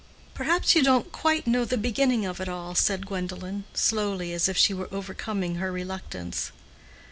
"Perhaps you don't quite know the beginning of it all," said Gwendolen, slowly, as if she were overcoming her reluctance.